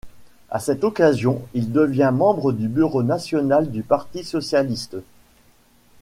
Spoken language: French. À cette occasion, il devient membre du bureau national du Parti socialiste.